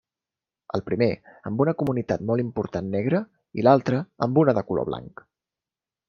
El primer, amb una comunitat molt important negra, i l'altre, amb una de color blanc.